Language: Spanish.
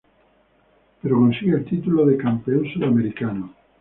Pero consigue el título de Campeón Sudamericano.